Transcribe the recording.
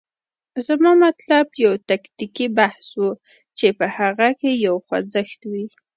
زما مطلب یو تکتیکي بحث و، چې په هغه کې یو خوځښت وي.